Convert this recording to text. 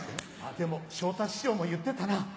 でも昇太師匠も言ってたな。